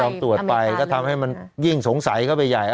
ตรวจไปก็ทำให้มันยิ่งสงสัยเข้าไปใหญ่